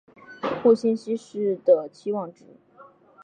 互信息是的期望值。